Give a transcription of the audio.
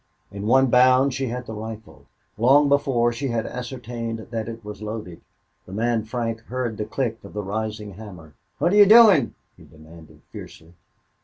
In one bound she had the rifle. Long before, she had ascertained that it was loaded. The man Frank heard the click of the raising hammer. "What're you doin'?" he demanded, fiercely.